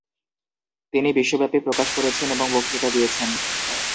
তিনি বিশ্বব্যাপী প্রকাশ করেছেন এবং বক্তৃতা দিয়েছেন।